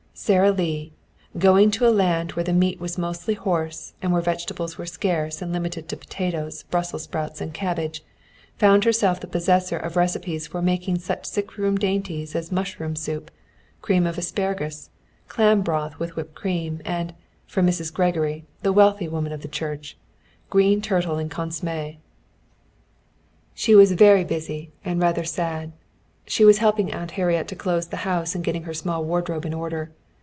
Sara Lee, going to a land where the meat was mostly horse and where vegetables were scarce and limited to potatoes, Brussels sprouts and cabbage, found herself the possessor of recipes for making such sick room dainties as mushroom soup, cream of asparagus, clam broth with whipped cream, and from Mrs. Gregory, the wealthy woman of the church green turtle and consomme. She was very busy and rather sad. She was helping Aunt Harriet to close the house and getting her small wardrobe in order.